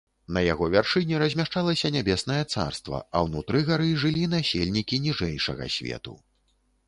На яго вяршыні размяшчалася нябеснае царства, а ўнутры гары жылі насельнікі ніжэйшага свету.